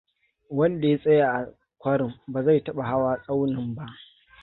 Wanda ya tsaya a kwarin ba zai taba hawa tsaunin ba.